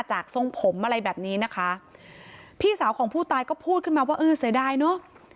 ทรงผมอะไรแบบนี้นะคะพี่สาวของผู้ตายก็พูดขึ้นมาว่าเออเสียดายเนอะ